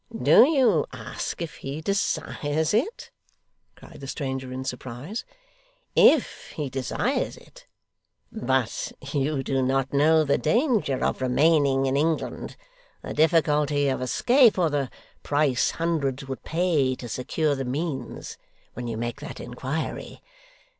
'Do you ask if he desires it?' cried the stranger in surprise. 'IF he desires it! But you do not know the danger of remaining in England, the difficulty of escape, or the price hundreds would pay to secure the means, when you make that inquiry.